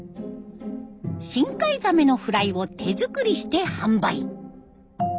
深海ザメのフライを手作りして販売。